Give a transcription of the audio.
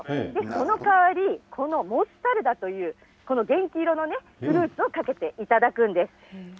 その代わり、このモスタルダというこのげんき色のフルーツをかけて頂くんです。